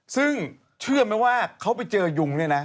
ซึ่งเชื่อไหมว่าเขาไปเจอยุงเนี่ยนะ